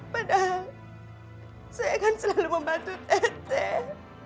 padahal saya akan selalu membantu teteh